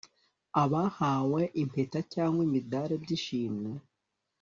abahawe impeta cyangwa imidari by'ishimwe